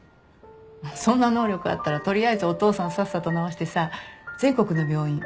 そんな能力あったら取りあえずお父さんさっさと治してさ全国の病院回るよね。